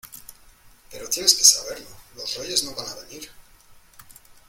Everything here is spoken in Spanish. pero tienes que saberlo. los Reyes no van a venir .